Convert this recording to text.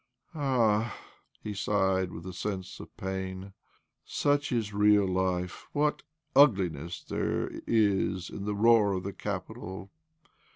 " Ah !" he sighed with a sense of pain. " Such is real life ! What ugliness there is in the roar of the capital